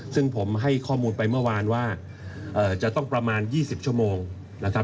ซึ่งผมให้ข้อมูลไปเมื่อวานว่าจะต้องประมาณ๒๐ชั่วโมงนะครับ